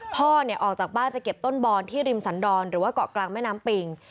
พ่อเนี่ยออกจากบ้านไปเก็บต้นบอนที่ริมสันดรหรือว่าเกาะกลางแม่น้ำปิง